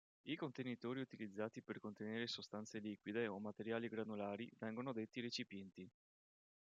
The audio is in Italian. I contenitori utilizzati per contenere sostanze liquide o materiali granulari vengono detti recipienti.